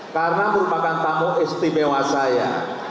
karena merupakan tamu istimewa saya